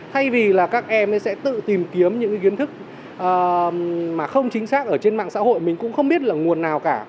thay vì là các em sẽ tự tìm kiếm những kiến thức mà không chính xác ở trên mạng xã hội mình cũng không biết là nguồn nào cả